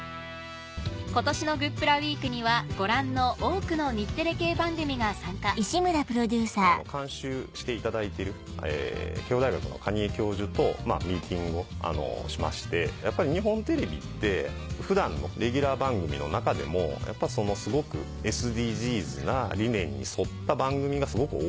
今年のグップラウィークにはご覧の多くの日テレ系番組が参加監修していただいてる慶應大学の蟹江教授とミーティングをしましてやっぱり日本テレビって普段のレギュラー番組の中でもやっぱＳＤＧｓな理念に沿った番組がすごく多い。